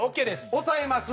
押さえます。